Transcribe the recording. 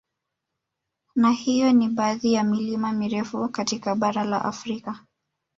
Na hiyo ni baadhi ya milima mirefu katika bara la Afrika